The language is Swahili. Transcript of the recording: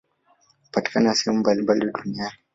Hupatikana sehemu mbalimbali duniani.